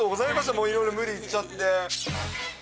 もういろいろ無理言っちゃって。